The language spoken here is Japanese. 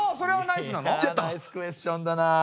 ナイスクエスチョンだな。